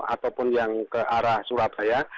ataupun yang ke arah surabaya